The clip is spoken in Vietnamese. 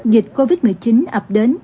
dịch covid một mươi chín ập đến